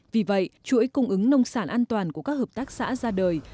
vì vậy chuỗi cung ứng nông sản an toàn của các hợp tác xã ra đời